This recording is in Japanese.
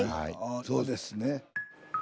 そうですね。